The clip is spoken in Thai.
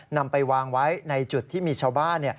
นำไปวางไว้ในจุดที่มีชาวบ้าน